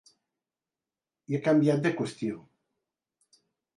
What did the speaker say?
I ha canviat de qüestió.